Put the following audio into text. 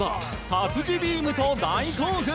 たつじビームと大興奮！